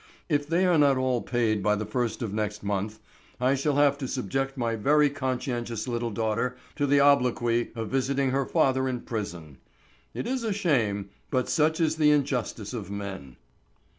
If they are not all paid by the first of next month, I shall have to subject my very conscientious little daughter to the obloquy of visiting her father in prison. It is a shame, but such is the injustice of men."